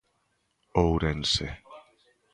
Ourense.